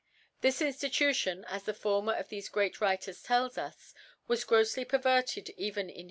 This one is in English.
This In^itution, as the former.' of .thefe great Writers tell us', was grofly perverted even in his Time *